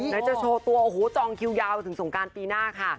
จะโชว์ตัวโอ้โหจองคิวยาวถึงสงการปีหน้าค่ะ